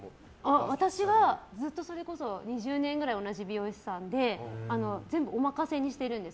私はずっとそれこそ２０年ぐらい同じ美容師さんで全部お任せにしてるんです。